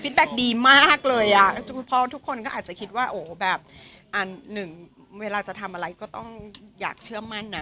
ฟิดแบ็คดีมากเลยเพราะทุกคนก็อาจจะคิดว่าอันหนึ่งเวลาจะทำอะไรก็ต้องอยากเชื่อมั่น